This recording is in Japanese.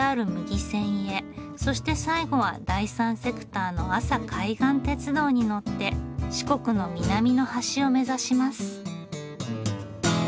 そして最後は第三セクターの阿佐海岸鉄道に乗って四国の南の端を目指します。